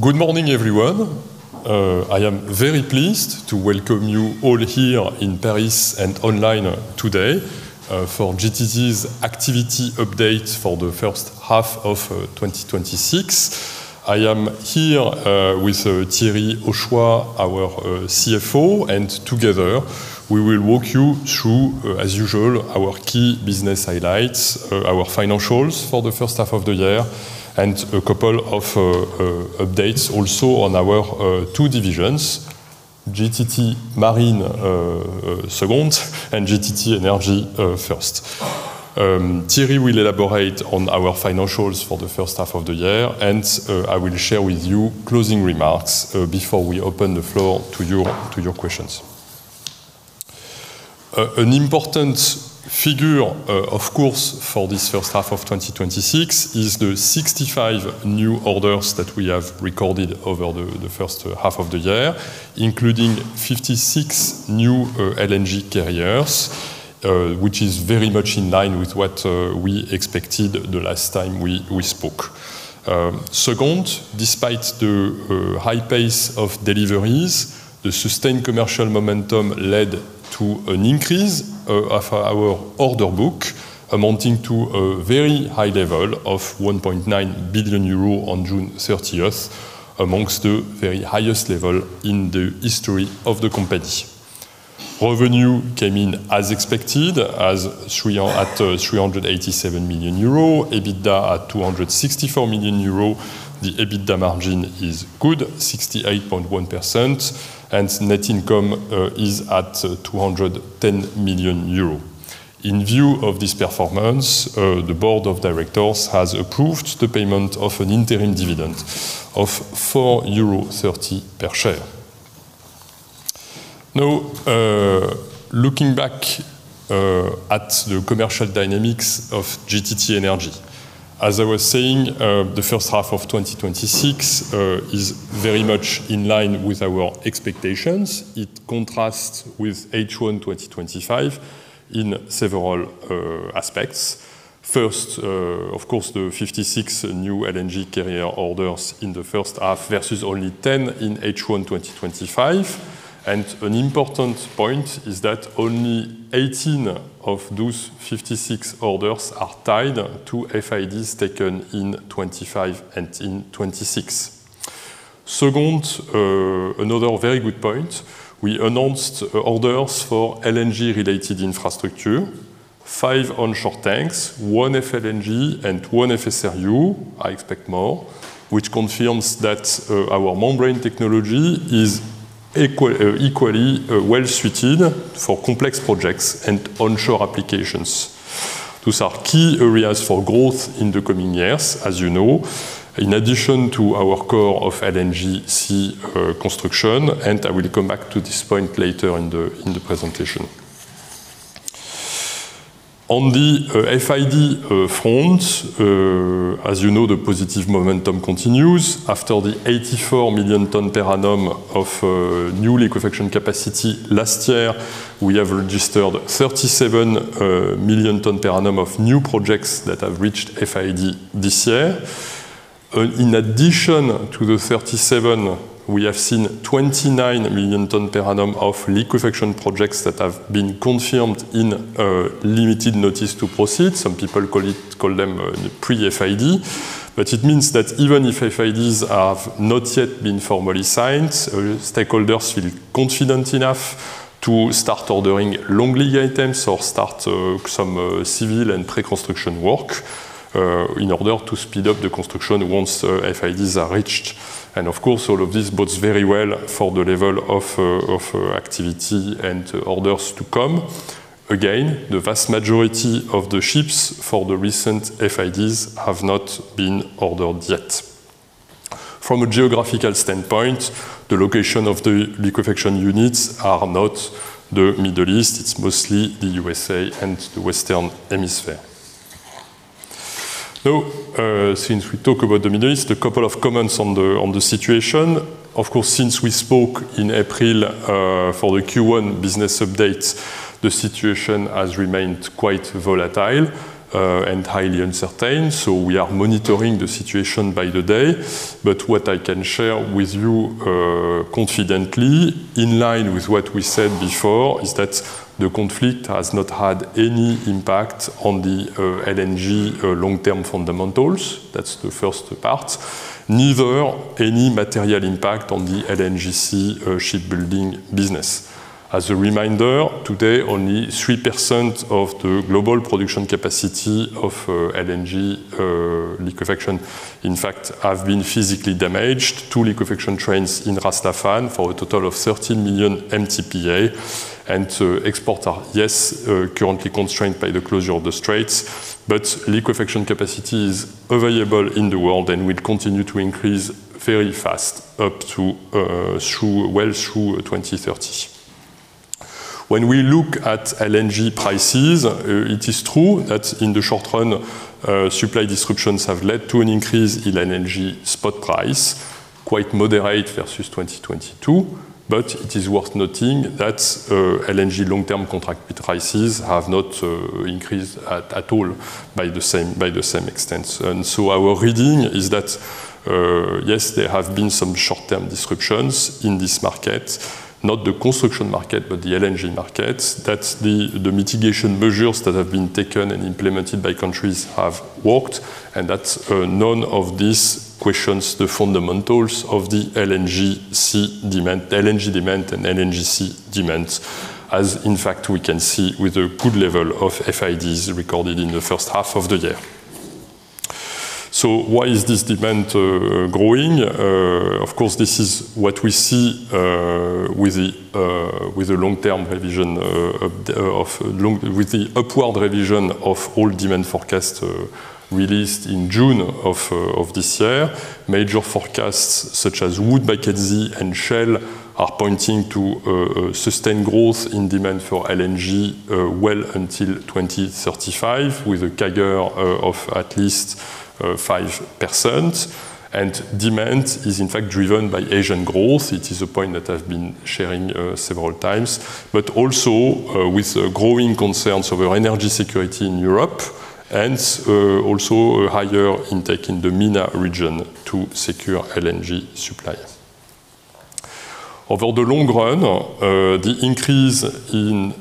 Good morning, everyone. I am very pleased to welcome you all here in Paris and online today for GTT's activity update for the first half of 2026. I am here with Thierry Hochoa, our CFO, and together we will walk you through, as usual, our key business highlights, our financials for the first half of the year, and a couple of updates also on our two divisions, GTT Marine second, and GTT Energy first. Thierry will elaborate on our financials for the first half of the year, and I will share with you closing remarks before we open the floor to your questions. An important figure, of course, for this first half of 2026 is the 65 new orders that we have recorded over the first half of the year, including 56 new LNG carriers, which is very much in line with what we expected the last time we spoke. Despite the high pace of deliveries, the sustained commercial momentum led to an increase of our order book amounting to a very high level of 1.9 billion euro on June 30th, amongst the very highest level in the history of the company. Revenue came in as expected at 387 million euro, EBITDA at 264 million euro. The EBITDA margin is good, 68.1%, and net income is at 210 million euros. In view of this performance, the Board of Directors has approved the payment of an interim dividend of 4.30 euro per share. Looking back at the commercial dynamics of GTT Energy. As I was saying, the first half of 2026 is very much in line with our expectations. It contrasts with H1 2025 in several aspects. First, of course, the 56 new LNG carrier orders in the first half versus only 10 in H1 2025. An important point is that only 18 of those 56 orders are tied to FIDs taken in 2025 and in 2026. Another very good point, we announced orders for LNG-related infrastructure, five onshore tanks, one FLNG, and one FSRU. I expect more. Which confirms that our membrane technology is equally well-suited for complex projects and onshore applications. Those are key areas for growth in the coming years, as you know, in addition to our core of LNGC construction, and I will come back to this point later in the presentation. On the FID front, as you know, the positive momentum continues. After the 84 million ton per annum of new liquefaction capacity last year, we have registered 37 million ton per annum of new projects that have reached FID this year. In addition to the 37, we have seen 29 million ton per annum of liquefaction projects that have been confirmed in a limited notice to proceed. Some people call them pre-FID. It means that even if FIDs have not yet been formally signed, stakeholders feel confident enough to start ordering long-lead items or start some civil and pre-construction work, in order to speed up the construction once FIDs are reached. Of course, all of this bodes very well for the level of activity and orders to come. Again, the vast majority of the ships for the recent FIDs have not been ordered yet. From a geographical standpoint, the location of the liquefaction units are not the Middle East. It's mostly the U.S.A. and the Western Hemisphere. Since we talk about the Middle East, a couple of comments on the situation. Since we spoke in April for the Q1 business update, the situation has remained quite volatile and highly uncertain. We are monitoring the situation by the day. What I can share with you confidently, in line with what we said before, is that the conflict has not had any impact on the LNG long-term fundamentals. That's the first part. Neither any material impact on the LNGC shipbuilding business. As a reminder, today, only 3% of the global production capacity of LNG liquefaction, in fact, have been physically damaged. Two liquefaction trains in Ras Laffan for a total of 30 million MTPA and to export are, yes, currently constrained by the closure of the straits, but liquefaction capacity is available in the world and will continue to increase very fast up to well through 2030. When we look at LNG prices, it is true that in the short run, supply disruptions have led to an increase in LNG spot price. Quite moderate versus 2022. It is worth noting that LNG long-term contract prices have not increased at all by the same extent. Our reading is that, yes, there have been some short-term disruptions in this market, not the construction market, but the LNG market. That the mitigation measures that have been taken and implemented by countries have worked, and that none of these questions the fundamentals of the LNG demand and LNGC demand, as in fact, we can see with a good level of FIDs recorded in the first half of the year. Why is this demand growing? Of course, this is what we see with the upward revision of all demand forecasts released in June of this year. Major forecasts such as Wood Mackenzie and Shell are pointing to sustained growth in demand for LNG well until 2035, with a CAGR of at least 5%. Demand is in fact driven by Asian growth. It is a point that I've been sharing several times, but also with growing concerns over energy security in Europe and also a higher intake in the MENA region to secure LNG supply. Over the long run, the increase in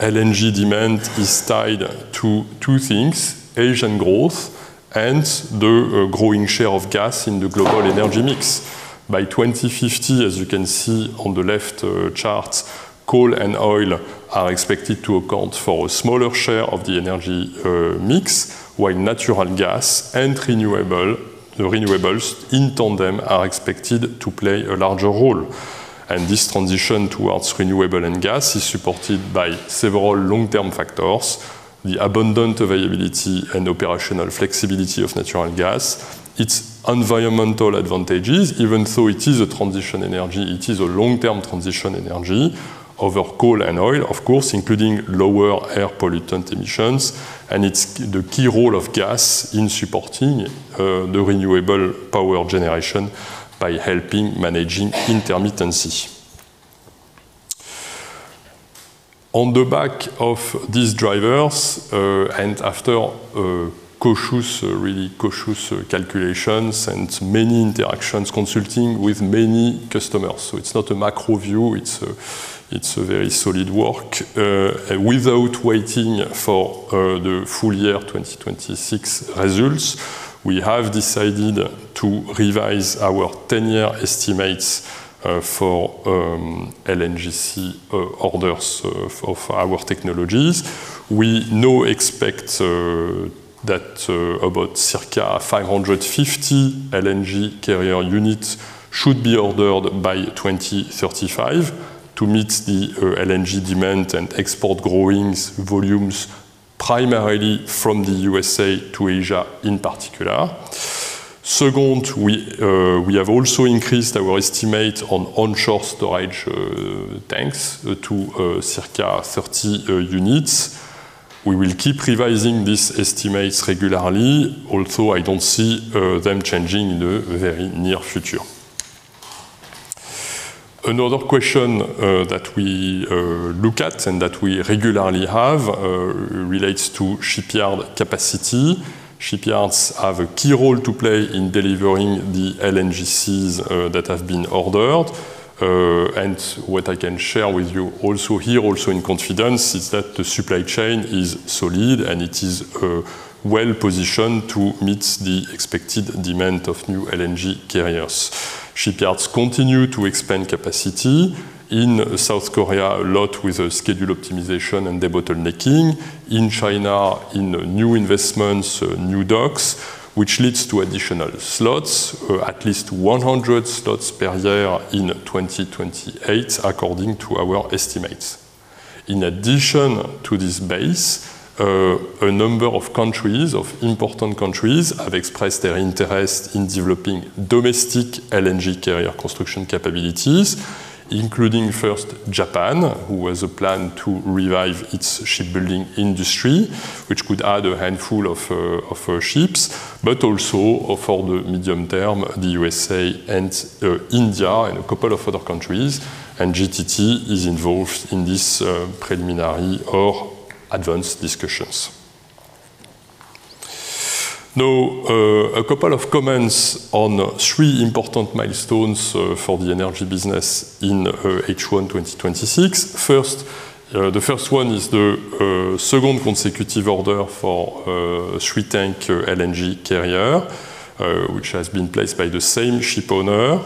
LNG demand is tied to two things, Asian growth and the growing share of gas in the global energy mix. By 2050, as you can see on the left chart, coal and oil are expected to account for a smaller share of the energy mix, while natural gas and renewables in tandem are expected to play a larger role. This transition towards renewable and gas is supported by several long-term factors. The abundant availability and operational flexibility of natural gas, its environmental advantages, even though it is a transition energy, it is a long-term transition energy over coal and oil, of course, including lower air pollutant emissions, and the key role of gas in supporting the renewable power generation by helping managing intermittency. On the back of these drivers, after cautious calculations and many interactions consulting with many customers. It's not a macro view. It's a very solid work. Without waiting for the full year 2026 results, we have decided to revise our 10-year estimates for LNGC orders of our technologies. We now expect that about circa 550 LNG carrier units should be ordered by 2035 to meet the LNG demand and export growing volumes primarily from the U.S.A. to Asia in particular. Second, we have also increased our estimate on onshore storage tanks to circa 30 units. We will keep revising these estimates regularly, although I don't see them changing in the very near future. Another question that we look at and that we regularly have relates to shipyard capacity. Shipyards have a key role to play in delivering the LNGCs that have been ordered. What I can share with you also here, also in confidence, is that the supply chain is solid, and it is well-positioned to meet the expected demand of new LNG carriers. Shipyards continue to expand capacity in South Korea a lot with schedule optimization and debottlenecking. In China, in new investments, new docks, which leads to additional slots, at least 100 slots per year in 2028, according to our estimates. In addition to this base, a number of important countries have expressed their interest in developing domestic LNG carrier construction capabilities, including first, Japan, who has a plan to revive its shipbuilding industry, which could add a handful of ships, but also for the medium term, the U.S.A. and India and a couple of other countries, and GTT is involved in these preliminary or advanced discussions. A couple of comments on three important milestones for the energy business in H1 2026. The first one is the second consecutive order for a three-tank LNG carrier which has been placed by the same ship owner.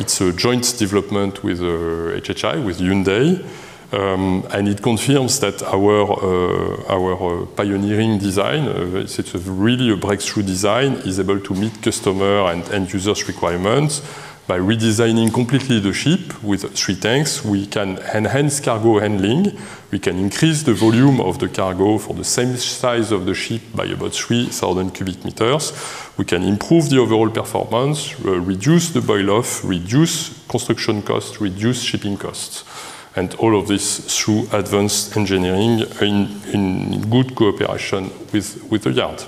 It's a joint development with HHI, with Hyundai. It confirms that our pioneering design, it's really a breakthrough design, is able to meet customer and end users' requirements. By redesigning completely the ship with three tanks, we can enhance cargo handling. We can increase the volume of the cargo for the same size of the ship by about 3,000 cu m. We can improve the overall performance, reduce the boil off, reduce construction costs, reduce shipping costs. All of this through advanced engineering in good cooperation with the yard.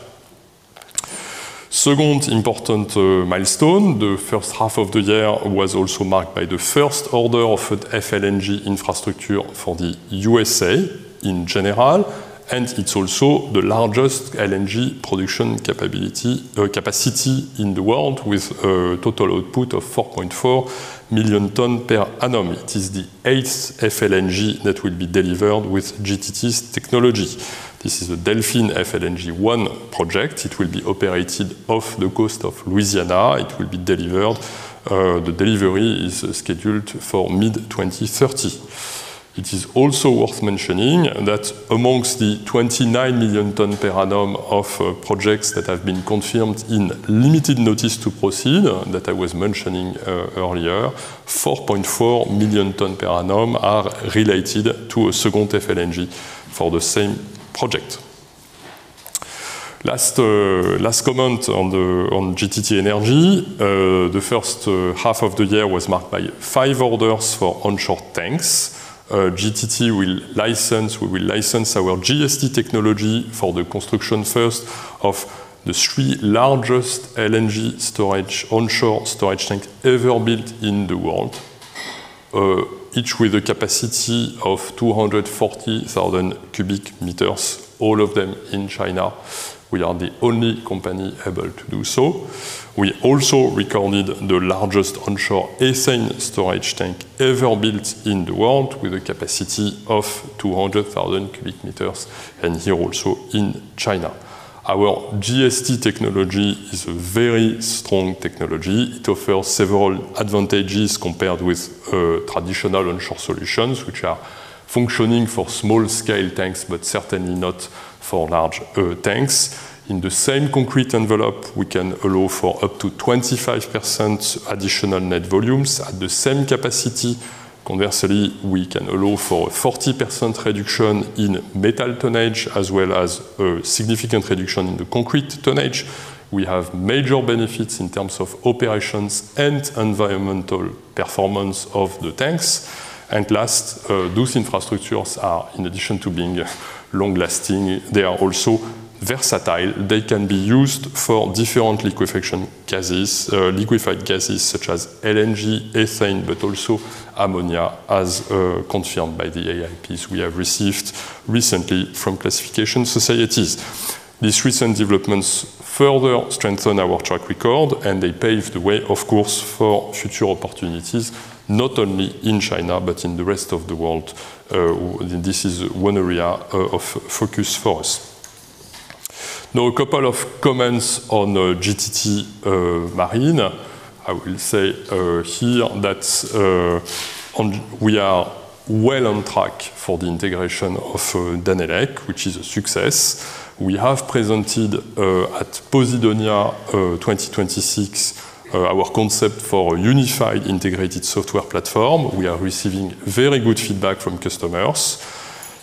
Second important milestone, the first half of the year was also marked by the first order of an FLNG infrastructure for the U.S.A. in general, and it's also the largest LNG production capacity in the world, with a total output of 4.4 million tonnes per annum. It is the eighth FLNG that will be delivered with GTT's technology. This is the Delfin FLNG 1 project. It will be operated off the coast of Louisiana. The delivery is scheduled for mid-2030. It is also worth mentioning that amongst the 29 million tonnes per annum of projects that have been confirmed in limited notice to proceed, that I was mentioning earlier, 4.4 million tonnes per annum are related to a second FLNG for the same project. Last comment on GTT Energy. The first half of the year was marked by five orders for onshore tanks. GTT will license our GST technology for the construction first of the three largest LNG onshore storage tanks ever built in the world, each with a capacity of 240,000 cu m, all of them in China. We are the only company able to do so. We also recorded the largest onshore ethane storage tank ever built in the world with a capacity of 200,000 cu m, and here also in China. Our GST technology is a very strong technology. It offers several advantages compared with traditional onshore solutions, which are functioning for small-scale tanks, but certainly not for large tanks. In the same concrete envelope, we can allow for up to 25% additional net volumes at the same capacity. Conversely, we can allow for a 40% reduction in metal tonnage as well as a significant reduction in the concrete tonnage. We have major benefits in terms of operations and environmental performance of the tanks. And last, those infrastructures are, in addition to being long-lasting, they are also versatile. They can be used for different liquefied gases such as LNG, ethane, but also ammonia, as confirmed by the AIPs we have received recently from classification societies. These recent developments further strengthen our track record, and they pave the way, of course, for future opportunities, not only in China but in the rest of the world. This is one area of focus for us. Now, a couple of comments on GTT Marine. I will say here that we are well on track for the integration of Danelec, which is a success. We have presented at Posidonia 2026 our concept for a unified integrated software platform. We are receiving very good feedback from customers.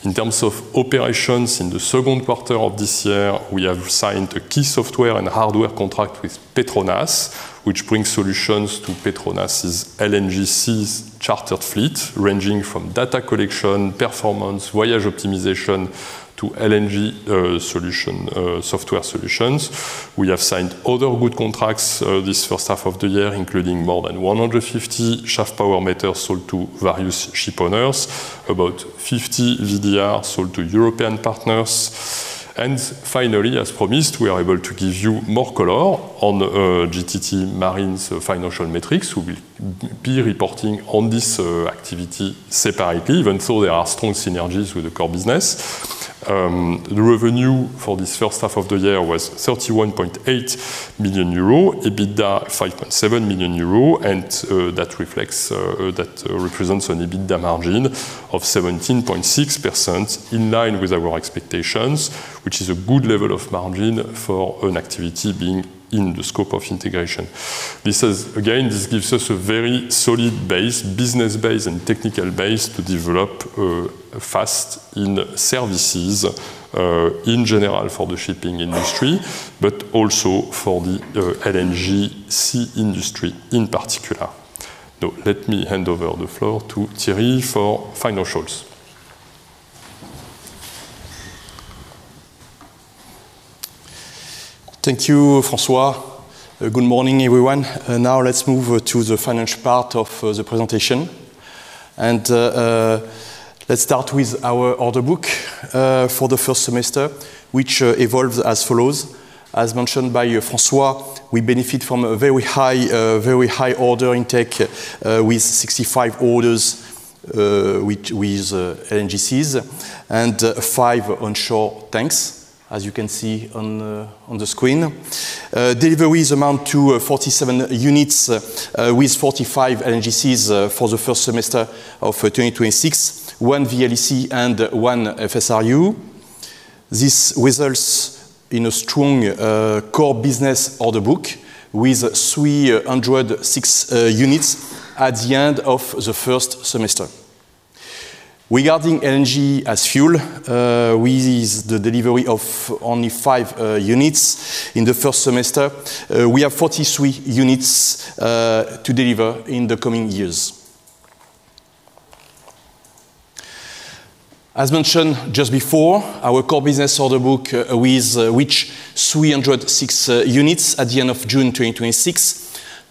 In terms of operations in the second quarter of this year, we have signed a key software and hardware contract with PETRONAS, which brings solutions to PETRONAS's LNGC chartered fleet, ranging from data collection, performance, voyage optimization to LNG software solutions. We have signed other good contracts this first half of the year, including more than 150 shaft power meters sold to various ship owners, about 50 VDR sold to European partners. And finally, as promised, we are able to give you more color on GTT Marine's financial metrics. We will be reporting on this activity separately. Even so, there are strong synergies with the core business. The revenue for this first half of the year was 31.8 million euro, EBITDA 5.7 million euro and that represents an EBITDA margin of 17.6%, in line with our expectations, which is a good level of margin for an activity being in the scope of integration. Again, this gives us a very solid base, business base, and technical base to develop fast in services in general for the shipping industry, but also for the LNGC industry in particular. Let me hand over the floor to Thierry for financials. Thank you, François. Good morning, everyone. Let's move to the financial part of the presentation. Let's start with our order book for the first semester, which evolved as follows. As mentioned by François, we benefit from a very high order intake with 65 orders with LNGCs and five onshore tanks, as you can see on the screen. Deliveries amount to 47 units with 45 LNGCs for the first semester of 2026, one VLEC and one FSRU. This results in a strong core business order book with 306 units at the end of the first semester. Regarding LNG as fuel, with the delivery of only five units in the first semester, we have 43 units to deliver in the coming years. As mentioned just before, our core business order book with which 306 units at the end of June 2026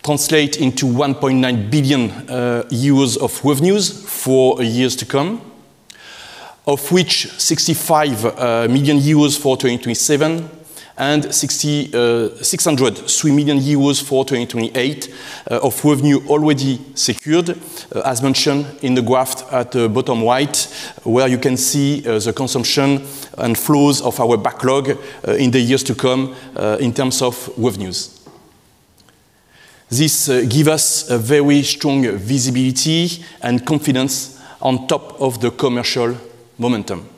translate into 1.9 billion euros of revenues for years to come, of which 65 million euros for 2027 and 603 million euros for 2028 of revenue already secured. As mentioned in the graph at the bottom right, where you can see the consumption and flows of our backlog in the years to come in terms of revenues. This give us a very strong visibility and confidence on top of the commercial momentum.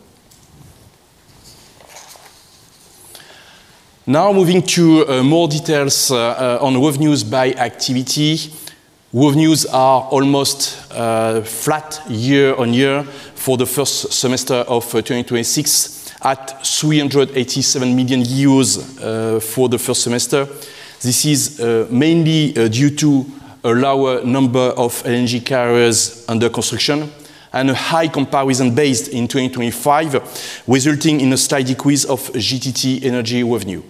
Now, moving to more details on revenues by activity. Revenues are almost flat year-over-year for the first semester of 2026 at 387 million euros for the first semester. This is mainly due to a lower number of LNG carriers under construction and a high comparison base in 2025, resulting in a slight decrease of GTT Energy revenue.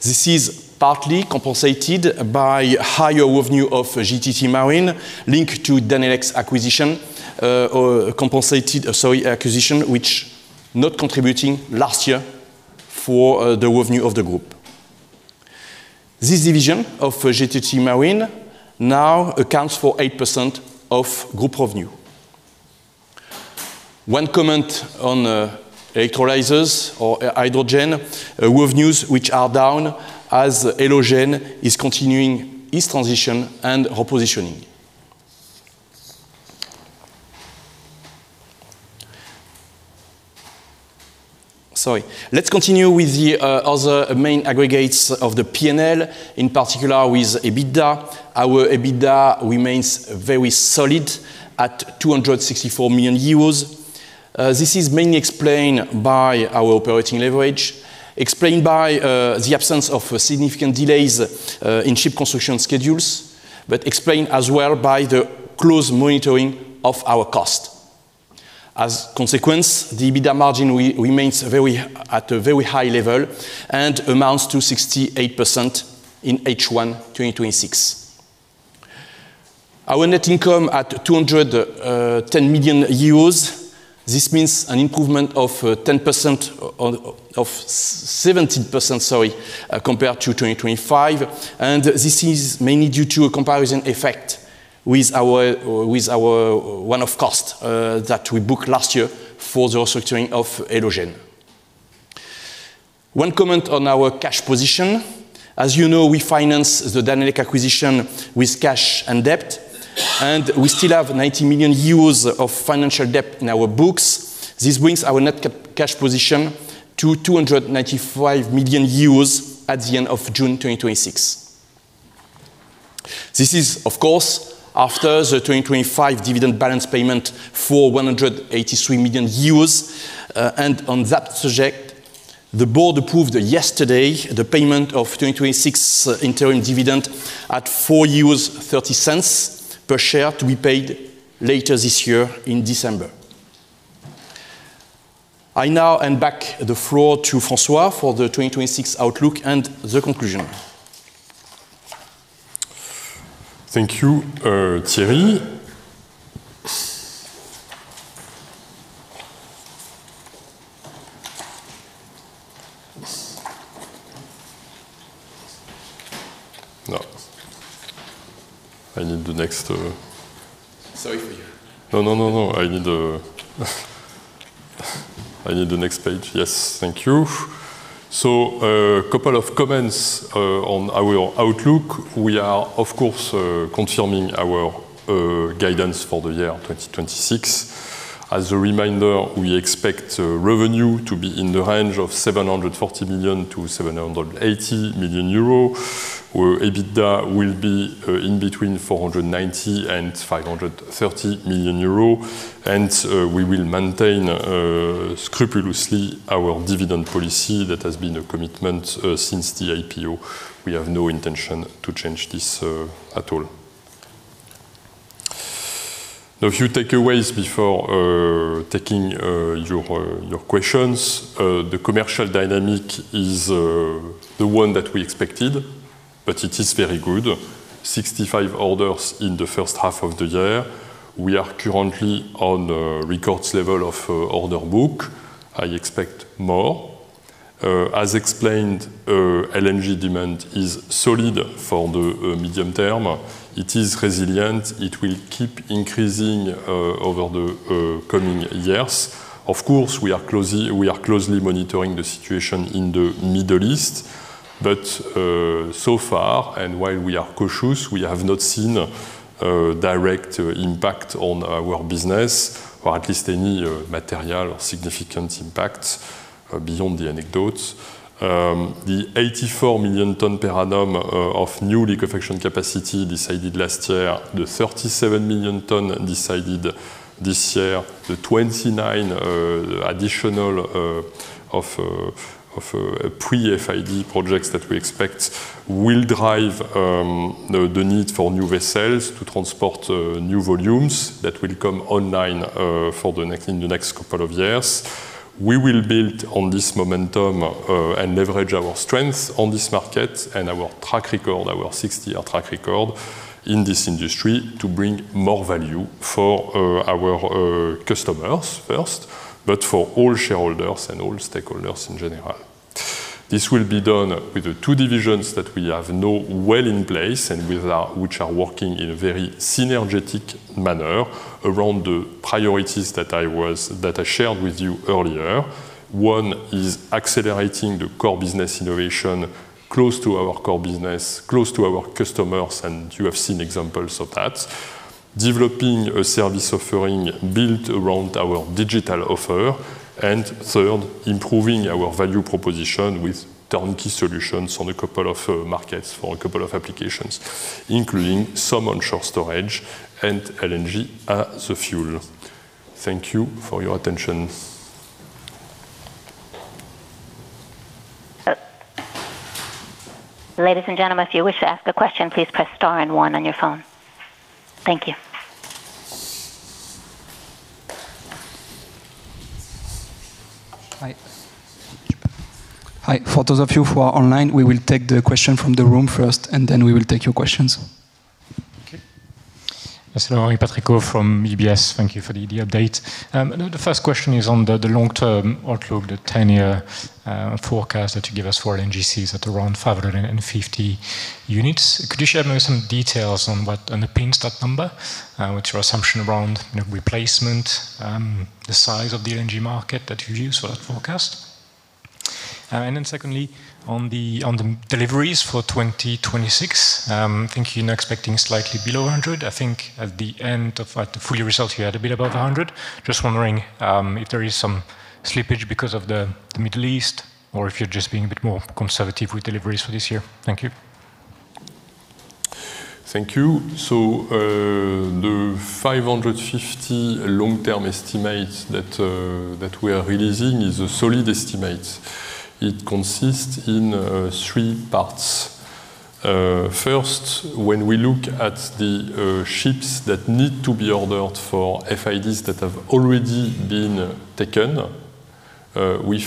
This is partly compensated by higher revenue of GTT Marine linked to Danelec's acquisition, which not contributing last year for the revenue of the group. This division of GTT Marine now accounts for 8% of group revenue. One comment on electrolyzers or Hydrogen revenues, which are down as Elogen is continuing its transition and repositioning. Sorry. Let's continue with the other main aggregates of the P&L, in particular with EBITDA. Our EBITDA remains very solid at 264 million euros. This is mainly explained by our operating leverage, explained by the absence of significant delays in ship construction schedules, but explained as well by the close monitoring of our cost. As consequence, the EBITDA margin remains at a very high level and amounts to 68% in H1 2026. Our net income at 210 million euros. This means an improvement of 17% compared to 2025. This is mainly due to a comparison effect with our one-off cost that we booked last year for the restructuring of Elogen. One comment on our cash position. As you know, we finance the Danelec acquisition with cash and debt, and we still have 90 million euros of financial debt in our books. This brings our net cash position to 295 million euros at the end of June 2026. This is, of course, after the 2025 dividend balance payment for 183 million euros. On that subject, the Board approved yesterday the payment of 2026 interim dividend at 4.30 euros per share to be paid later this year in December. I now hand back the floor to François for the 2026 outlook and the conclusion. Thank you, Thierry. No. I need the next- Sorry. No, I need the next page. Yes. Thank you. A couple of comments on our outlook. We are, of course, confirming our guidance for the year 2026. As a reminder, we expect revenue to be in the range of 740 million-780 million euro, where EBITDA will be between 490 million and 530 million euro. We will maintain scrupulously our dividend policy that has been a commitment since the IPO. We have no intention to change this at all. A few takeaways before taking your questions. The commercial dynamic is the one that we expected, but it is very good. 65 orders in the first half of the year. We are currently on a record level of order book. I expect more. As explained, LNG demand is solid for the medium-term. It is resilient. It will keep increasing over the coming years. Of course, we are closely monitoring the situation in the Middle East. So far, and while we are cautious, we have not seen a direct impact on our business, or at least any material or significant impact beyond the anecdotes. The 84 million tons per annum of new liquefaction capacity decided last year, the 37 million tons decided this year, the 29 additional pre-FID projects that we expect will drive the need for new vessels to transport new volumes that will come online in the next couple of years. We will build on this momentum and leverage our strengths on this market and our track record, our 60-year track record in this industry to bring more value for our customers first, but for all shareholders and all stakeholders in general. This will be done with the two divisions that we have now well in place and which are working in a very synergetic manner around the priorities that I shared with you earlier. One is accelerating the core business innovation close to our core business, close to our customers, and you have seen examples of that. Developing a service offering built around our digital offer. Third, improving our value proposition with turnkey solutions on a couple of markets for a couple of applications, including some onshore storage and LNG as a fuel. Thank you for your attention. Ladies and gentlemen, if you wish to ask a question, please press star and one on your phone. Thank you. Hi. For those of you who are online, we will take the question from the room first, and then we will take your questions. Okay. Henri Patricot from UBS. Thank you for the update. The first question is on the long-term outlook, the 10-year forecast that you gave us for LNGCs at around 550 units. Could you share maybe some details on the pillars, that number? What's your assumption around replacement, the size of the LNG market that you use for that forecast? Then secondly, on the deliveries for 2026, I think you're now expecting slightly below 100. I think at the end of the full year results, you had a bit above 100. Just wondering if there is some slippage because of the Middle East or if you're just being a bit more conservative with deliveries for this year. Thank you. Thank you. The 550 long-term estimate that we are releasing is a solid estimate. It consists in three parts. First, when we look at the ships that need to be ordered for FIDs that have already been taken, and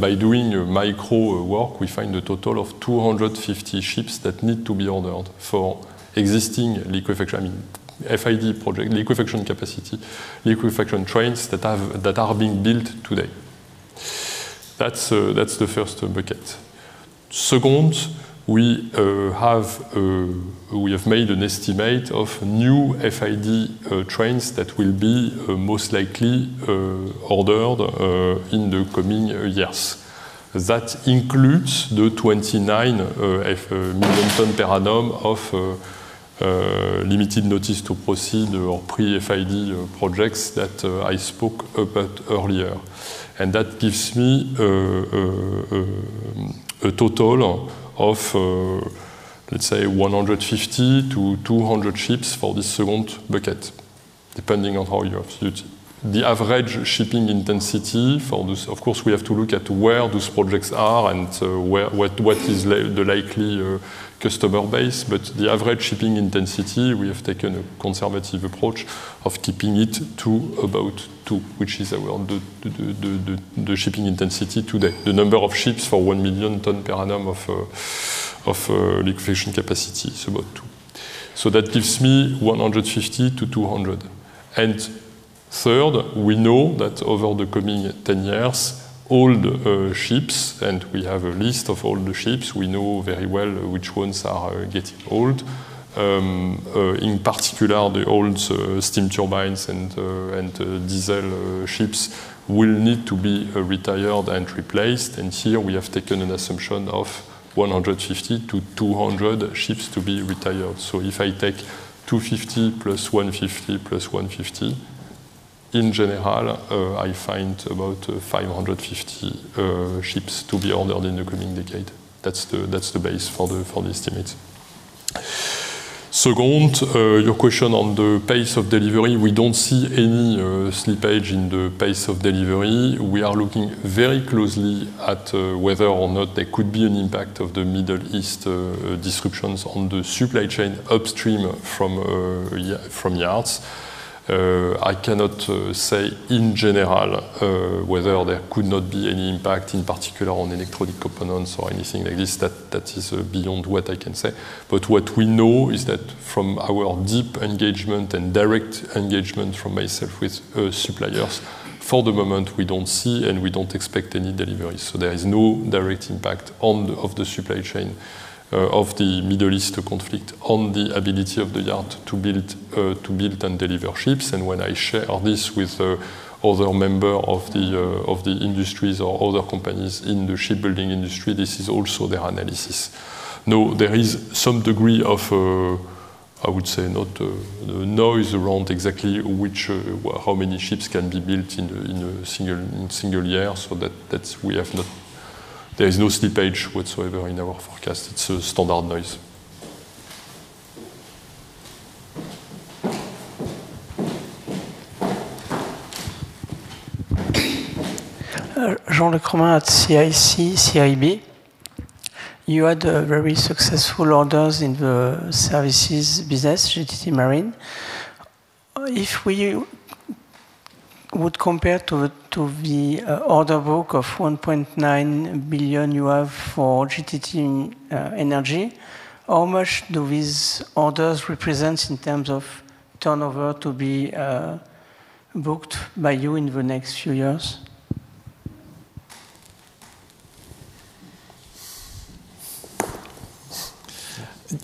by doing micro work, we find a total of 250 ships that need to be ordered for existing liquefaction, FID project, liquefaction capacity, liquefaction trains that are being built today. That's the first bucket. Second, we have made an estimate of new FID trains that will be most likely ordered in the coming years. That includes the 29 million ton per annum of limited notice to proceed or pre-FID projects that I spoke about earlier. That gives me a total of, let's say, 150-200 ships for the second bucket, depending on how you look at it. The average shipping intensity for this, of course, we have to look at where those projects are and what is the likely customer base. The average shipping intensity, we have taken a conservative approach of keeping it to about two, which is around the shipping intensity today. The number of ships for 1 million ton per annum of liquefaction capacity is about two. That gives me 150-200 ships. Third, we know that over the coming 10 years, old ships, and we have a list of all the ships, we know very well which ones are getting old. In particular, the old steam turbines and diesel ships will need to be retired and replaced. Here we have taken an assumption of 150-200 ships to be retired. If I take 250+150+150, in general, I find about 550 ships to be ordered in the coming decade. That's the base for the estimate. Second, your question on the pace of delivery. We don't see any slippage in the pace of delivery. We are looking very closely at whether or not there could be an impact of the Middle East disruptions on the supply chain upstream from yards. I cannot say in general whether there could not be any impact in particular on electronic components or anything like this, that is beyond what I can say. What we know is that from our deep engagement and direct engagement from myself with suppliers, for the moment, we don't see and we don't expect any delivery. There is no direct impact of the supply chain of the Middle East conflict on the ability of the yard to build and deliver ships. When I share this with other member of the industries or other companies in the shipbuilding industry, this is also their analysis. Now, there is some degree of I would say not the noise around exactly how many ships can be built in a single year. There is no slippage whatsoever in our forecast. It's a standard noise. Jean-Luc Romain at CIC CIB. You had very successful orders in the services business, GTT Marine. If we would compare to the order book of 1.9 billion you have for GTT Energy, how much do these orders represent in terms of turnover to be booked by you in the next few years?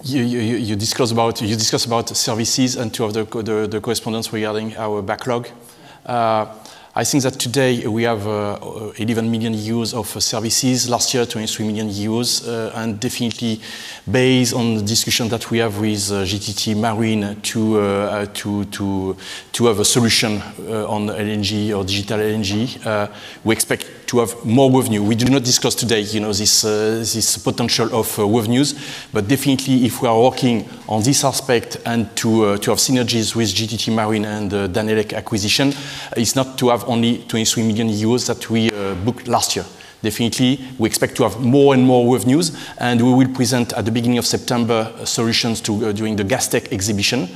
You discuss about services and two of the correspondence regarding our backlog. I think that today we have 11 million of services. Last year, 23 million. Definitely based on the discussion that we have with GTT Marine to have a solution on LNG or digital LNG, we expect to have more revenue. We do not discuss today this potential of revenues. Definitely, if we are working on this aspect and to have synergies with GTT Marine and the Danelec acquisition, it's not to have only 23 million euros that we booked last year. Definitely, we expect to have more and more revenues. We will present at the beginning of September solutions during the Gastech exhibition.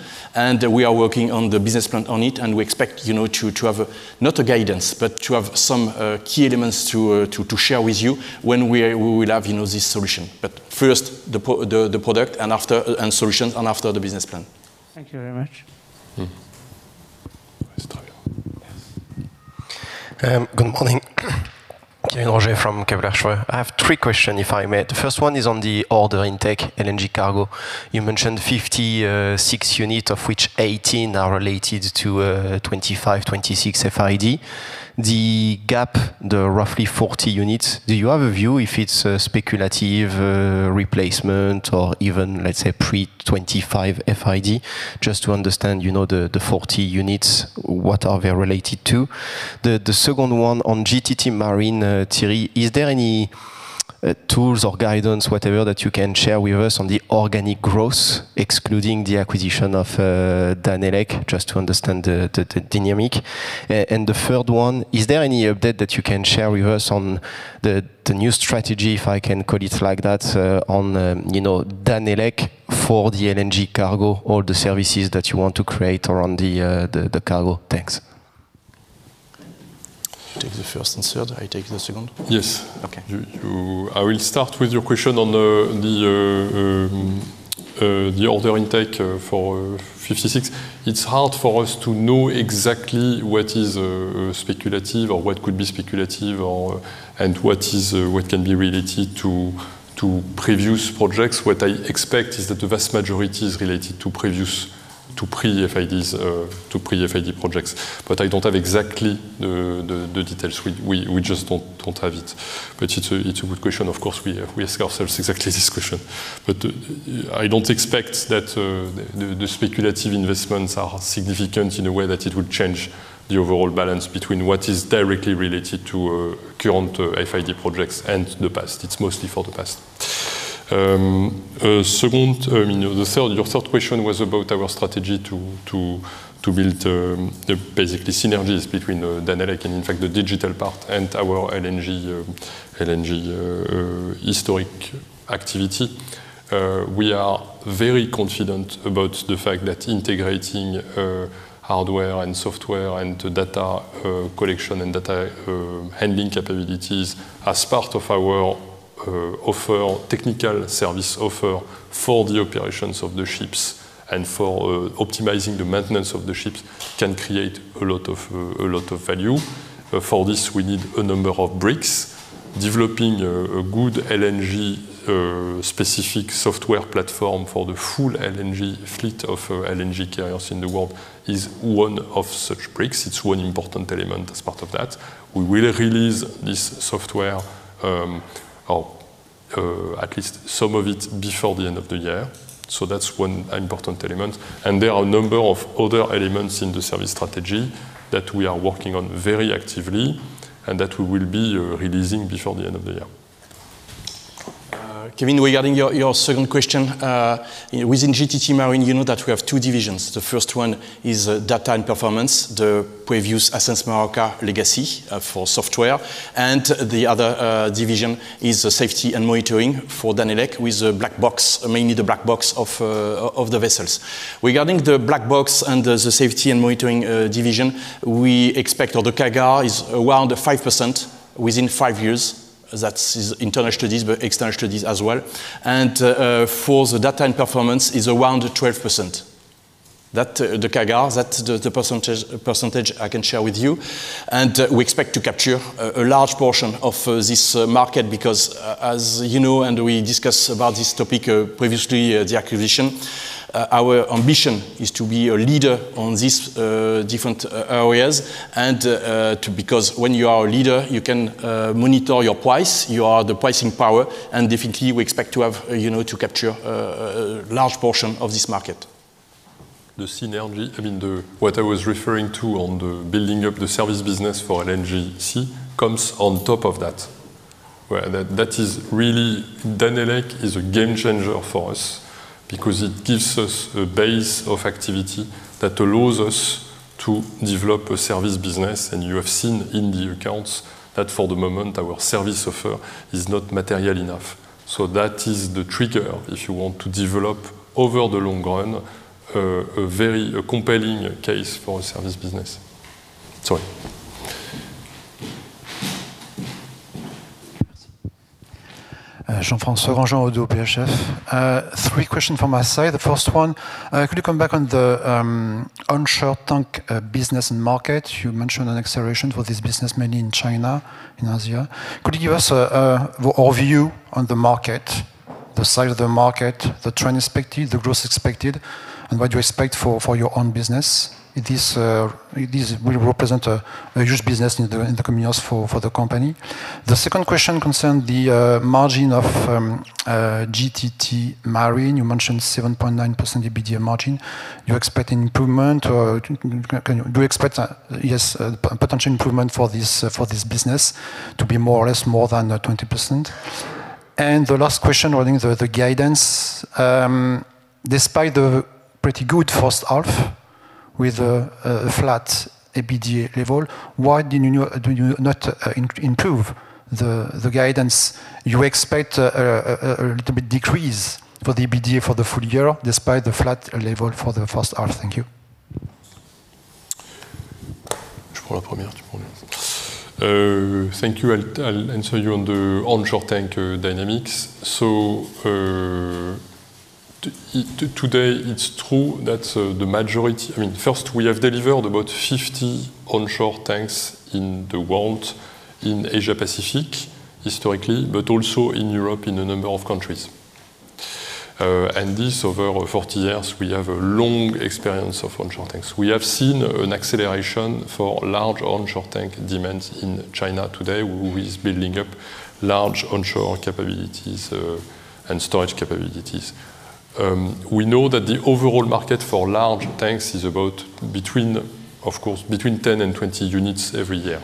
We are working on the business plan on it. We expect to have not a guidance, but to have some key elements to share with you when we will have this solution. First, the product and solutions, and after, the business plan. Thank you very much. It's time. Yes. Good morning. Kevin Roger from Kepler Cheuvreux. I have three questions, if I may. The first one is on the order intake LNG cargo. You mentioned 56 units, of which 18 are related to 2025, 2026 FID. The gap, the roughly 40 units, do you have a view if it's a speculative replacement or even, let's say, pre-2025 FID? Just to understand the 40 units, what are they related to? The second one on GTT Marine, Thierry. Is there any tools or guidance, whatever, that you can share with us on the organic growth excluding the acquisition of Danelec, just to understand the dynamic? The third one, is there any update that you can share with us on the new strategy, if I can call it like that, on Danelec for the LNG cargo or the services that you want to create around the cargo tanks? You take the first and third, I take the second? Yes. Okay. I will start with your question on the order intake for 56. It's hard for us to know exactly what is speculative or what could be speculative, and what can be related to previous projects. I expect that the vast majority is related to pre-FID projects. I don't have exactly the details. We just don't have it. It's a good question. Of course, we ask ourselves exactly this question. I don't expect that the speculative investments are significant in a way that it would change the overall balance between what is directly related to current FID projects and the past. It's mostly for the past. Your third question was about our strategy to build basically synergies between Danelec and, in fact, the digital part and our LNG historic activity. We are very confident about the fact that integrating hardware and software and data collection and data handling capabilities as part of our technical service offer for the operations of the ships and for optimizing the maintenance of the ships can create a lot of value. For this, we need a number of bricks. Developing a good LNG-specific software platform for the full LNG fleet of LNG carriers in the world is one of such bricks. It's one important element as part of that. We will release this software, or at least some of it, before the end of the year. That's one important element. There are a number of other elements in the service strategy that we are working on very actively and that we will be releasing before the end of the year. Kevin, regarding your second question. Within GTT Marine, you know that we have two divisions. The first one is data and performance, the previous Ascenz Marorka legacy for software, and the other division is safety and monitoring for Danelec with mainly the black box of the vessels. Regarding the black box and the safety and monitoring division, we expect the CAGR is around 5% within five years. That is internal studies, external studies as well. For the data and performance is around 12%. The CAGR, that's the percentage I can share with you. We expect to capture a large portion of this market because as you know, and we discussed about this topic previously, the acquisition, our ambition is to be a leader on these different areas. Because when you are a leader, you can monitor your price, you are the pricing power, and definitely, we expect to capture a large portion of this market. The synergy, what I was referring to on the building up the service business for an LNGC comes on top of that. Where that is really, Danelec is a game changer for us because it gives us a base of activity that allows us to develop a service business. You have seen in the accounts that for the moment, our service offer is not material enough. That is the trigger, if you want to develop over the long run, a very compelling case for a service business. Sorry. Jean-François Granjon, Oddo BHF. Three question from my side. The first one, could you come back on the onshore tank business and market? You mentioned an acceleration for this business, mainly in China, in Asia. Could you give us overview on the market, the size of the market, the trend expected, the growth expected, and what you expect for your own business? It will represent a huge business in the coming years for the company. The second question concerned the margin of GTT Marine. You mentioned 7.9% EBITDA margin. You expect an improvement or do you expect a, yes, potential improvement for this business to be more or less more than 20%? The last question regarding the guidance, despite the pretty good first half with a flat EBITDA level, why do you not improve the guidance? You expect a little bit decrease for the EBITDA for the full year, despite the flat level for the first half. Thank you. Thank you. I'll answer you on the onshore tank dynamics. Today, it's true that the majority, first, we have delivered about 50 onshore tanks in the world, in Asia-Pacific historically, but also in Europe in a number of countries. This over 40 years, we have a long experience of onshore tanks. We have seen an acceleration for large onshore tank demands in China today, who is building up large onshore capabilities, and storage capabilities. We know that the overall market for large tanks is about between 10 and 20 units every year.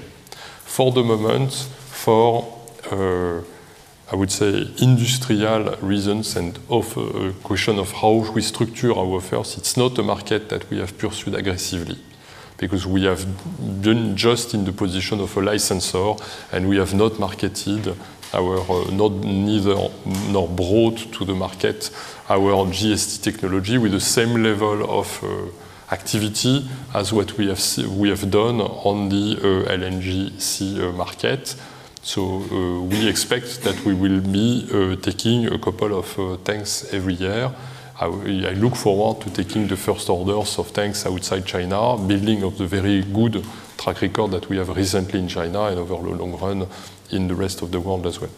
For the moment, for, I would say industrial reasons and of a question of how we structure our affairs, it's not a market that we have pursued aggressively because we have been just in the position of a licensor, and we have not marketed our, neither nor brought to the market our own GST technology with the same level of activity as what we have done on the LNGC market. We expect that we will be taking a couple of tanks every year. I look forward to taking the first orders of tanks outside China, building of the very good track record that we have recently in China and over the long run in the rest of the world as well.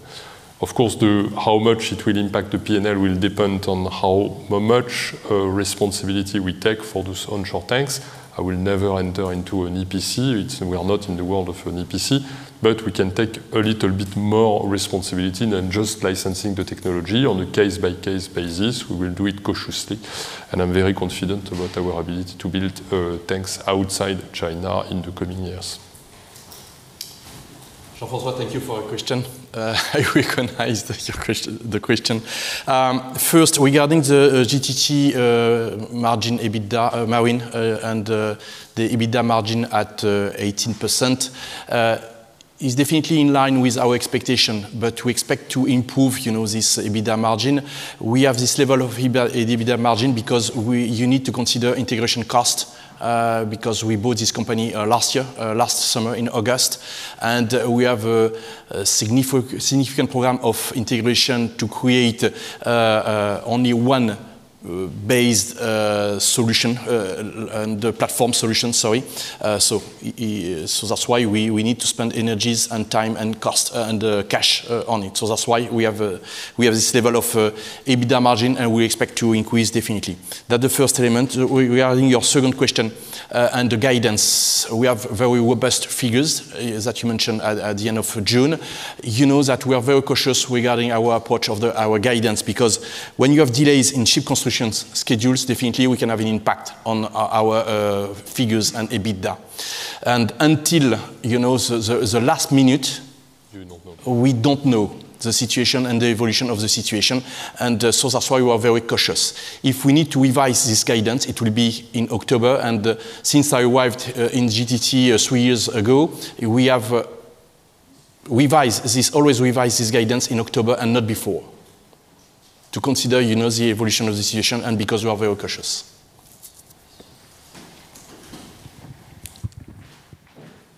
Of course, how much it will impact the P&L will depend on how much responsibility we take for those onshore tanks. I will never enter into an EPC. We are not in the world of an EPC, but we can take a little bit more responsibility than just licensing the technology on a case-by-case basis. We will do it cautiously, and I'm very confident about our ability to build tanks outside China in the coming years. Jean-François, thank you for your question. I recognize the question. Regarding the GTT Marine EBITDA margin, and the EBITDA margin at 18%, is definitely in line with our expectation, but we expect to improve this EBITDA margin. We have this level of EBITDA margin because you need to consider integration cost, because we bought this company last summer in August. We have a significant program of integration to create only one-based platform solution, sorry. That's why we need to spend energies and time and cost and cash on it. That's why we have this level of EBITDA margin, and we expect to increase definitely. That the first element. Regarding your second question, and the guidance, we have very robust figures as you mentioned at the end of June. You know that we are very cautious regarding our approach of our guidance because when you have delays in ship constructions schedules, definitely we can have an impact on our figures and EBITDA. Until the last minute. We don't know. We don't know the situation and the evolution of the situation. That's why we are very cautious. If we need to revise this guidance, it will be in October. Since I arrived in GTT three years ago, we always revise this guidance in October and not before to consider the evolution of the situation and because we are very cautious.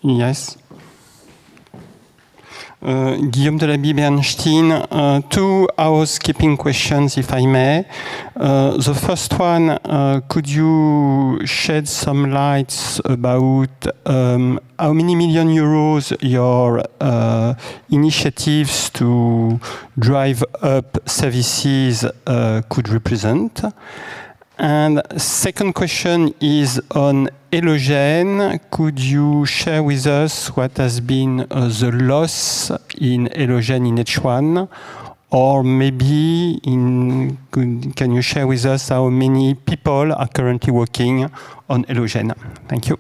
Yes. Guillaume Delaby, Bernstein. Two housekeeping questions, if I may. The first one, could you shed some lights about how many million euros your initiatives to drive up services could represent? Second question is on Elogen. Could you share with us what has been the loss in Elogen in H1? Or maybe can you share with us how many people are currently working on Elogen? Thank you.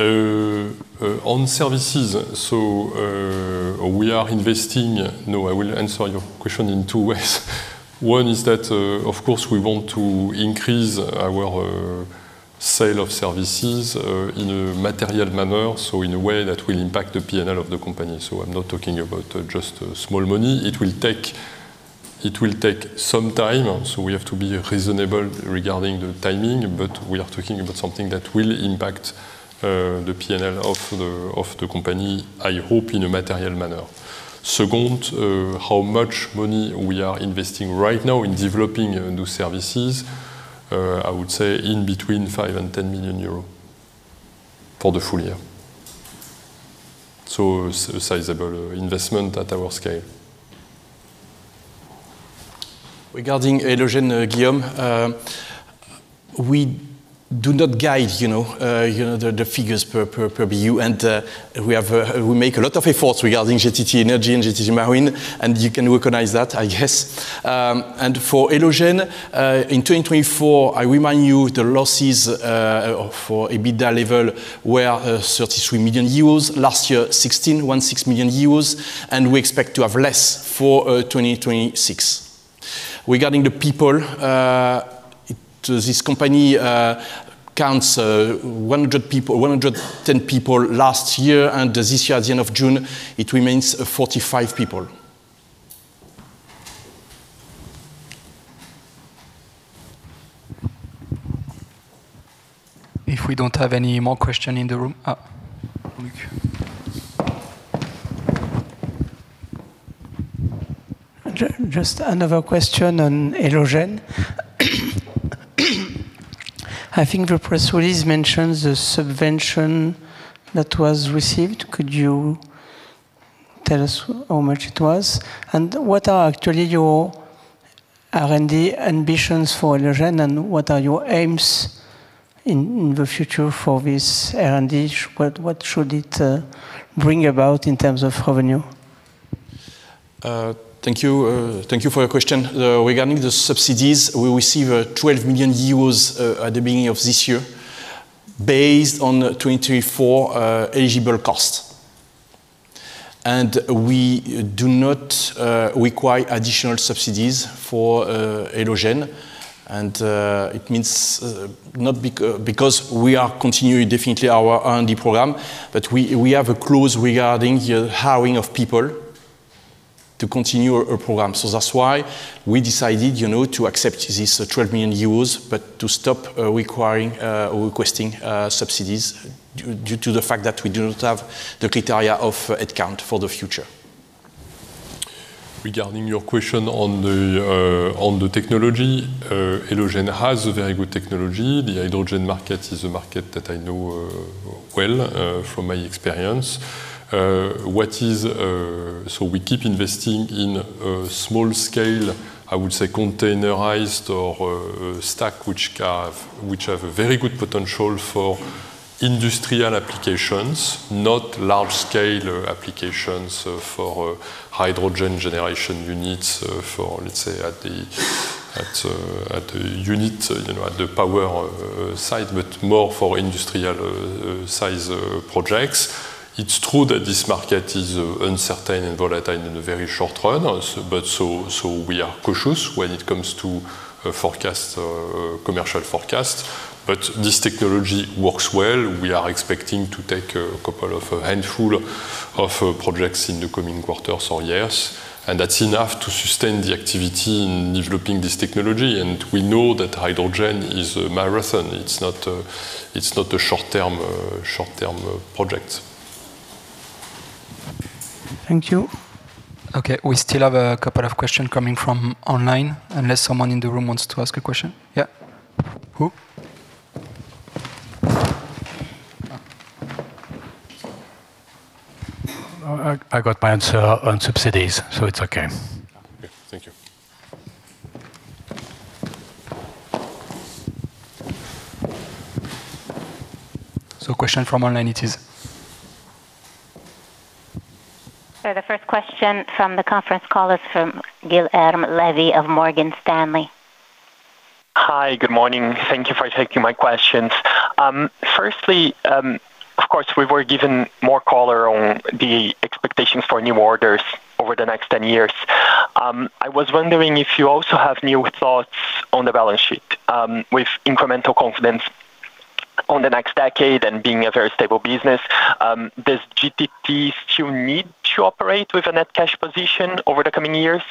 On services. We are investing. No, I will answer your question in two ways. One is that, of course, we want to increase our sale of services in a material manner, in a way that will impact the P&L of the company. I'm not talking about just small money. It will take some time, we have to be reasonable regarding the timing. We are talking about something that will impact the P&L of the company, I hope in a material manner. Second, how much money we are investing right now in developing new services? I would say in between 5 million and 10 million euros for the full year. A sizable investment at our scale. Regarding Elogen, Guillaume, we do not guide the figures per BU. We make a lot of efforts regarding GTT Energy and GTT Marine, and you can recognize that, I guess. For Elogen, in 2024, I remind you the losses, for EBITDA level, were 33 million euros. Last year, 16 million euros. We expect to have less for 2026. Regarding the people, this company counts 110 people last year. This year, at the end of June, it remains 45 people. If we don't have any more question in the room. Just another question on Elogen. I think the press release mentions the subvention that was received. Could you tell us how much it was? What are actually your R&D ambitions for Elogen, and what are your aims in the future for this R&D? What should it bring about in terms of revenue? Thank you for your question. Regarding the subsidies, we received 12 million euros at the beginning of this year based on 2024 eligible costs. We do not require additional subsidies for Elogen. It means not because we are continuing definitely our R&D program, but we have a clause regarding the hiring of people to continue our program. That's why we decided to accept this 12 million euros, but to stop requiring or requesting subsidies due to the fact that we do not have the criteria of headcount for the future. Regarding your question on the technology, Elogen has a very good technology. The hydrogen market is a market that I know well from my experience. We keep investing in small scale, I would say containerized or stack, which have a very good potential for industrial applications, not large-scale applications for hydrogen generation units for, let's say at the unit, at the power side, but more for industrial-size projects. It's true that this market is uncertain and volatile in the very short run, but so we are cautious when it comes to commercial forecast. This technology works well. We are expecting to take a handful of projects in the coming quarters or years, and that's enough to sustain the activity in developing this technology. We know that hydrogen is a marathon. It's not a short-term project. Thank you. Okay, we still have a couple of question coming from online, unless someone in the room wants to ask a question. Yeah. Who? I got my answer on subsidies, it's okay. Okay. Thank you. Question from online it is. The first question from the conference call is from Guilherme Levy of Morgan Stanley. Hi. Good morning. Thank you for taking my questions. Firstly, of course, we were given more color on the expectations for new orders over the next 10 years. I was wondering if you also have new thoughts on the balance sheet. With incremental confidence on the next decade and being a very stable business, does GTT still need to operate with a net cash position over the coming years?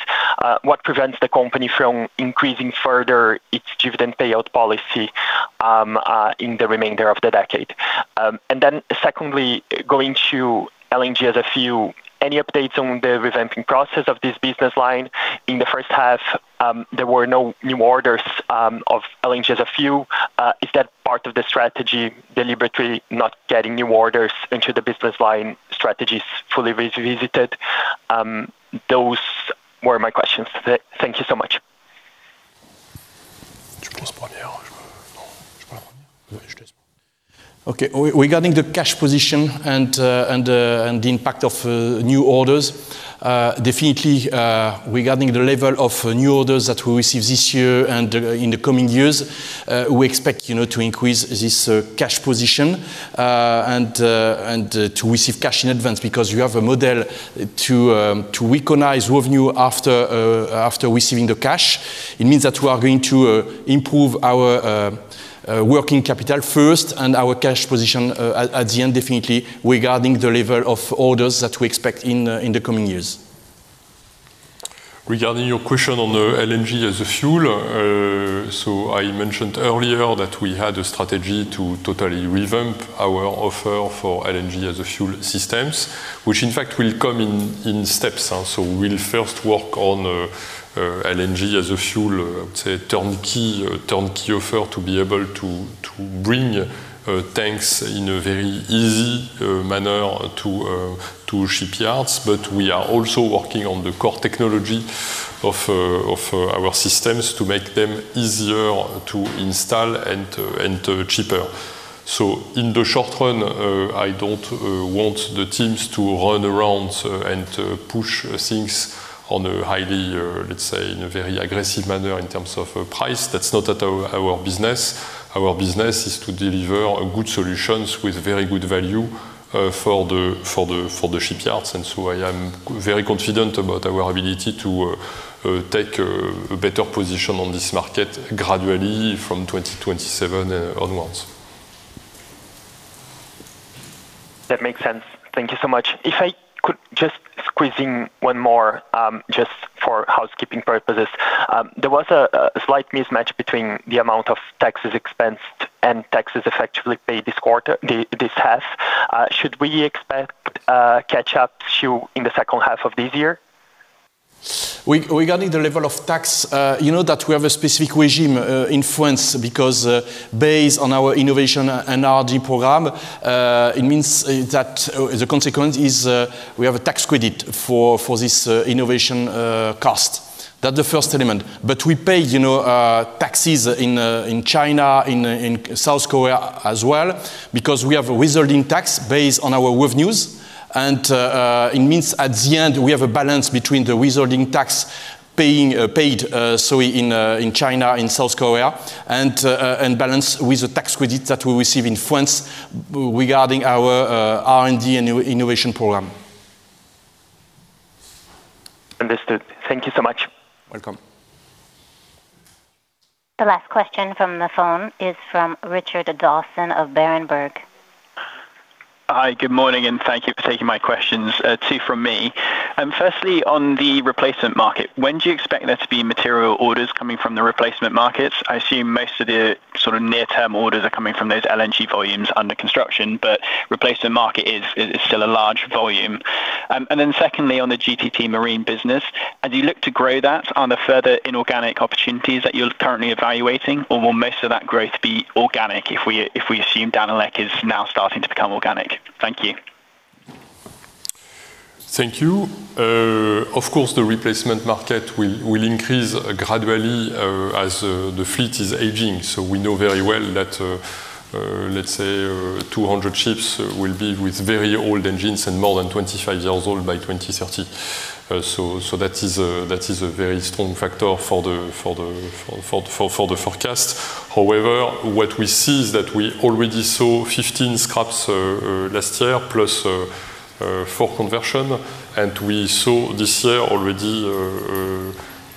What prevents the company from increasing further its dividend payout policy in the remainder of the decade? Secondly, going to LNG as a fuel. Any updates on the revamping process of this business line? In the first half, there were no new orders of LNG as a fuel. Is that part of the strategy, deliberately not getting new orders into the business line strategies fully revisited? Those were my questions. Thank you so much. Okay. Regarding the cash position and the impact of new orders, definitely, regarding the level of new orders that we receive this year and in the coming years, we expect to increase this cash position, and to receive cash in advance because we have a model to recognize revenue after receiving the cash. It means that we are going to improve our working capital first and our cash position at the end definitely regarding the level of orders that we expect in the coming years. Regarding your question on the LNG as a fuel, I mentioned earlier that we had a strategy to totally revamp our offer for LNG as a fuel systems, which in fact will come in steps. We'll first work on LNG as a fuel, I would say, turnkey offer to be able to bring tanks in a very easy manner to shipyards. We are also working on the core technology of our systems to make them easier to install and cheaper. In the short run, I don't want the teams to run around and to push things on a highly, let's say, in a very aggressive manner in terms of price. That's not our business. Our business is to deliver good solutions with very good value for the shipyards. I am very confident about our ability to take a better position on this market gradually from 2027 onwards. That makes sense. Thank you so much. If I could just squeeze in one more, just for housekeeping purposes. There was a slight mismatch between the amount of taxes expensed and taxes effectively paid this half. Should we expect a catch-up too in the second half of this year? Regarding the level of tax, you know that we have a specific regime in France because based on our innovation and R&D program, it means that the consequence is we have a tax credit for this innovation cost. That's the first element. We pay taxes in China, in South Korea as well because we have a withholding tax based on our revenues, and it means at the end, we have a balance between the withholding tax paid in China, in South Korea, and balance with the tax credits that we receive in France regarding our R&D and innovation program. Understood. Thank you so much. Welcome. The last question from the phone is from Richard Dawson of Berenberg. Hi. Good morning, thank you for taking my questions. Two from me. Firstly, on the replacement market, when do you expect there to be material orders coming from the replacement markets? I assume most of the sort of near-term orders are coming from those LNG volumes under construction, but replacement market is still a large volume. Secondly, on the GTT Marine business, as you look to grow that, are there further inorganic opportunities that you're currently evaluating, or will most of that growth be organic if we assume Danelec is now starting to become organic? Thank you. Thank you. Of course, the replacement market will increase gradually as the fleet is aging. We know very well that, let's say, 200 ships will be with very old engines and more than 25 years old by 2030. That is a very strong factor for the forecast. However, what we see is that we already saw 15 scraps last year plus four conversion, we saw this year already,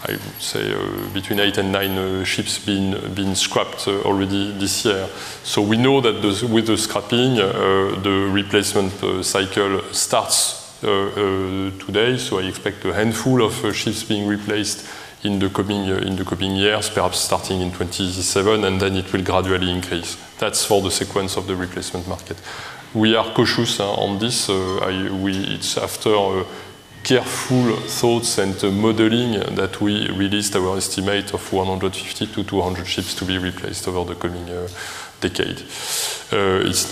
I would say, between eight and nine ships being scrapped already this year. We know that with the scrapping, the replacement cycle starts today. I expect a handful of ships being replaced in the coming years, perhaps starting in 2027, it will gradually increase. That's for the sequence of the replacement market. We are cautious on this. It's after careful thoughts and modeling that we released our estimate of 150-200 ships to be replaced over the coming decade. It's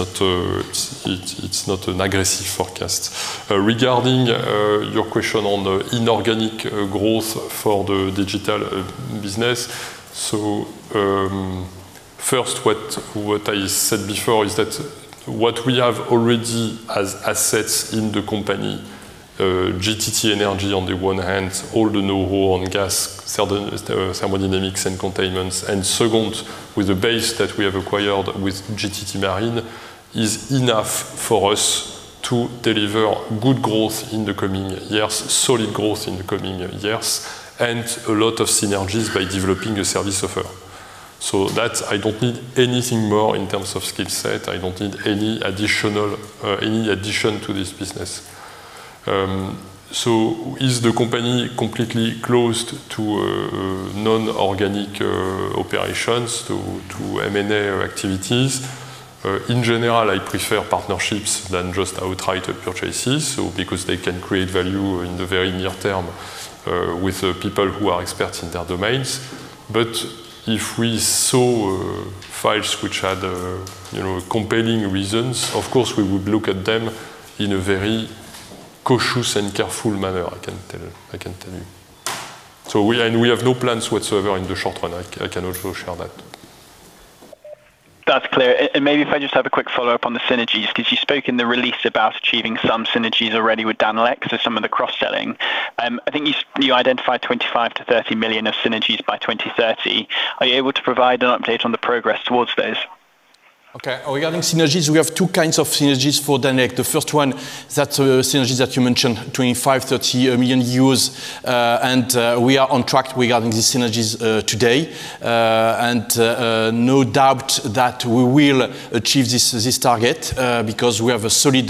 not an aggressive forecast. Regarding your question on the inorganic growth for the digital business. First, what I said before is that what we have already as assets in the company, GTT Energy on the one hand, all the know-how on gas, thermodynamics, and containments, and second, with the base that we have acquired with GTT Marine, is enough for us to deliver good growth in the coming years, solid growth in the coming years, and a lot of synergies by developing a service offer. That I don't need anything more in terms of skill set. I don't need any addition to this business. Is the company completely closed to non-organic operations to M&A activities? In general, I prefer partnerships than just outright purchases because they can create value in the very near term, with people who are experts in their domains. If we saw files which had compelling reasons, of course, we would look at them in a very cautious and careful manner, I can tell you. We have no plans whatsoever in the short run. I can also share that. That's clear. Maybe if I just have a quick follow-up on the synergies, because you spoke in the release about achieving some synergies already with Danelec for some of the cross-selling. I think you identified 25 million-30 million of synergies by 2030. Are you able to provide an update on the progress towards those? Okay. Regarding synergies, we have two kinds of synergies for Danelec. The first one, that synergy that you mentioned, 25 million, 30 million euros, we are on track regarding these synergies today. No doubt that we will achieve this target, because we have a solid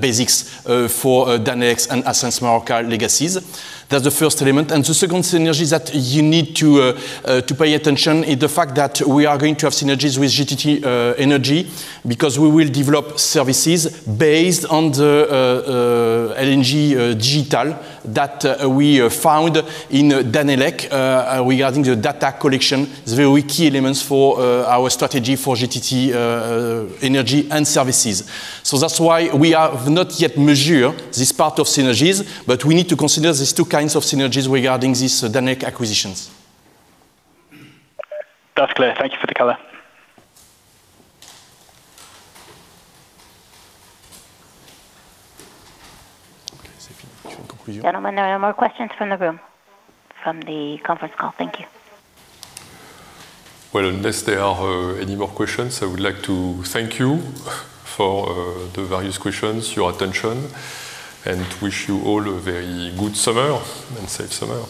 basics for Danelec and Ascenz Marorka legacies. That's the first element. The second synergy is that you need to pay attention is the fact that we are going to have synergies with GTT Energy because we will develop services based on the LNG digital that we found in Danelec regarding the data collection. It's very key elements for our strategy for GTT Energy and services. That's why we have not yet measured this part of synergies, but we need to consider these two kinds of synergies regarding these Danelec acquisitions. That's clear. Thank you for the color. [inaudible] Gentlemen, there are no more questions from the room, from the conference call. Thank you. Well, unless there are any more questions, I would like to thank you for the various questions, your attention, and wish you all a very good summer and safe summer.